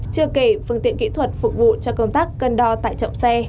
chưa kể phương tiện kỹ thuật phục vụ cho công tác cân đo tại trọng xe